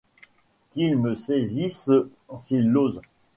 Qu'il me saisisse s'il l'ose !